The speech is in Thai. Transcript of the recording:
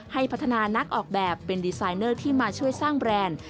ให้พัฒนานักออกแบบเป็นดีไซนเนอร์ที่มาช่วยสร้างแบรนด์